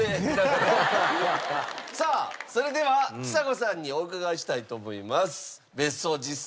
さあそれではちさ子さんにお伺いしたいと思います。